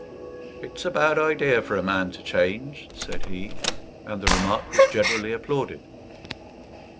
"It's a bad idea for a man to change," said he; and the remark was generally applauded.